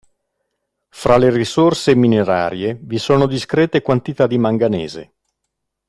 Fra le risorse minerarie vi sono discrete quantità di manganese.